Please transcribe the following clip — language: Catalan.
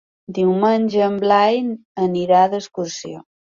Diumenge en Blai anirà d'excursió.